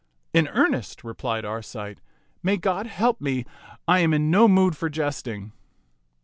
" In earnest," replied Arcite. "May God help me. I am in no mood for jesting."